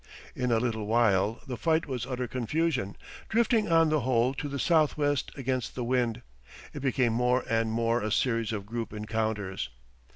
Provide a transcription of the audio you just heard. In a little while the fight was utter confusion, drifting on the whole to the southwest against the wind. It became more and more a series of group encounters.